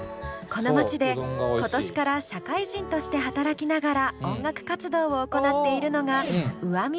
この街で今年から社会人として働きながら音楽活動を行っているのがｕａｍｉさん。